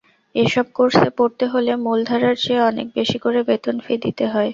এসব কোর্সে পড়তে হলে মূলধারার চেয়ে অনেক বেশি করে বেতন-ফি দিতে হয়।